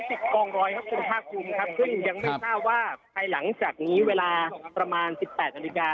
สมนักงานกันหาว่าไข่หลังจากนี้เวลาประมาณ๑๘อดิกา